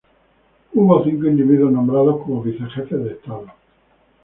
Hubo cinco individuos nombrados como vice jefe de Estado.